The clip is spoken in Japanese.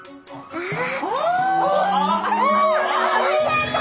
ああ。